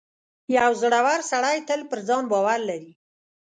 • یو زړور سړی تل پر ځان باور لري.